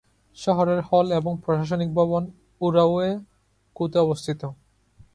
শহরের হল এবং প্রশাসনিক ভবন উরাওয়া-কুতে অবস্থিত।